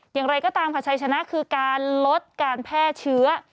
อย่างไรก็ตามผัดชัยชนะคือการลดการแพร่เชื้อ